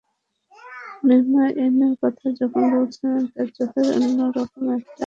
নিমাইয়ের কথা যখন বলছিলেন তার চোখে অন্য রকম একটা আলো খেলা করছিল।